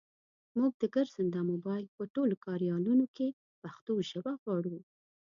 مونږ د ګرځنده مبایل په ټولو کاریالونو کې پښتو ژبه غواړو.